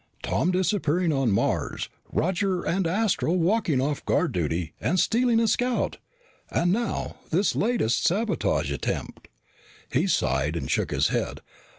Tom, disappearing on Mars, Roger and Astro walking off guard duty and stealing a scout, and now this latest sabotage attempt." He sighed and shook his head.